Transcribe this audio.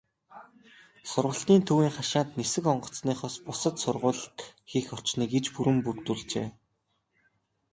Сургалтын төвийн хашаанд нисэх онгоцныхоос бусад сургуулилалт хийх орчныг иж бүрэн бүрдүүлжээ.